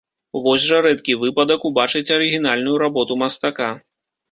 Вось жа рэдкі выпадак убачыць арыгінальную работу мастака.